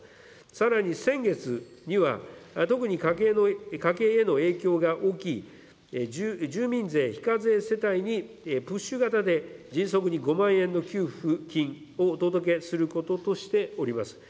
さらに先月には、特に家計への影響が大きい、住民税非課税世帯に、プッシュ型で迅速に５万円の給付金をお届けすることとしております。